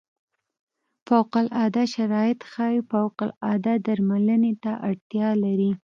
فوق العاده شرایط ښايي فوق العاده درملنې ته اړتیا لري.